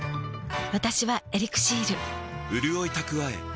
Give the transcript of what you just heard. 私は「エリクシール」